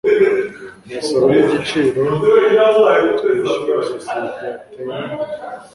imisoro nigiciro twishyura societe yateye imbere